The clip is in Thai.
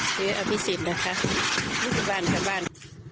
ซื้ออภิษฐ์นะคะนี่คือบ้านคือบ้าน